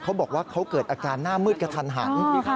เขาบอกว่าเขาเกิดอาการหน้ามืดกระทันหัน